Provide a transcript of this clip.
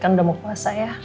kan udah mau puasa ya